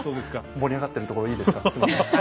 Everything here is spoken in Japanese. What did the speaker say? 盛り上がってるところいいですか次の。